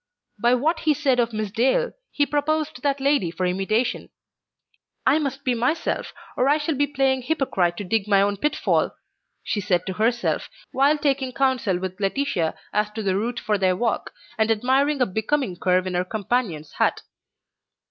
By what he said of Miss Dale, he proposed that lady for imitation. "I must be myself or I shall be playing hypocrite to dig my own pitfall," she said to herself, while taking counsel with Laetitia as to the route for their walk, and admiring a becoming curve in her companion's hat.